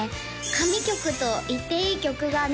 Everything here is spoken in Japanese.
神曲と言っていい曲がね